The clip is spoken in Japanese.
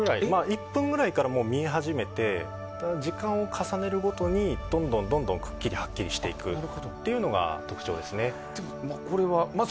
１分ぐらいから見え始めて時間を重ねるごとにどんどんくっきりはっきりしてくというのが特徴ですね。